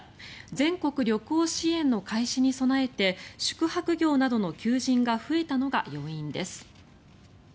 全国旅行支援の開始に備えて宿泊業などの求人が増えたのが要因です。